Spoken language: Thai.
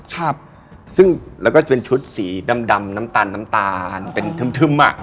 แล้วก็เป็นชุดสีแดม